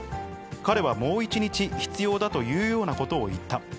彼はもう１日必要だというようなことを言った。